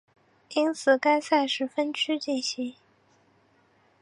因此该赛事分区进行。